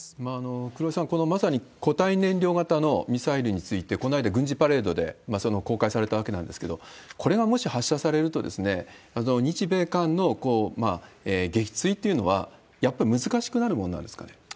黒井さん、まさに固体燃料型のミサイルについて、この間軍事パレードで公開されたわけなんですけれども、これがもし発射されると、日米間の撃墜というのは、やっぱり難しくなるものなんですかね。